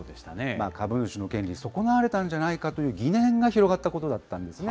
株主の権利、損なわれたという疑念が広がったことだったんですね。